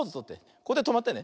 これでとまってね。